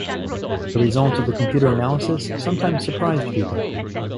The results of the computer analysis sometimes surprised people.